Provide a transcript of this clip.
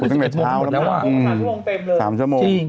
๓ชั่วโมงเต็มเลย